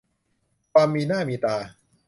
ความมีหน้ามีตา